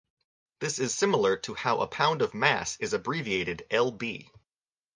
This is similar to how a pound of mass is abbreviated "lb".